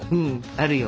あるよ。